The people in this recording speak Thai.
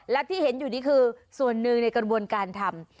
และที่เห็นอยู่นี่คือส่วนหนึ่งในกระบวนการทำ